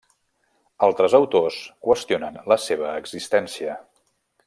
Altres autors qüestionen la seva existència.